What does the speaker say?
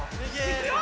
いくよ！